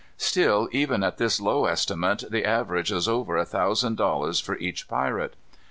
Still, even at this low estimate, the average was over a thousand dollars for each pirate.